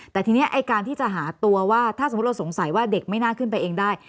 แต่ทีนี้ไอ้การที่จะหาตัวว่าถ้าสมมุติเราสงสัยว่าเด็กไม่น่าขึ้นไปเองได้